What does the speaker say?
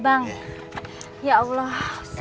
abang lu yang multiple efeknya